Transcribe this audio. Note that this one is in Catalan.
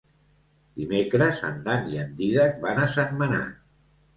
Dimecres en Dan i en Dídac van a Sentmenat.